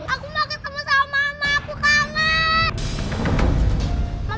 aku mau ketemu sama mama aku kangen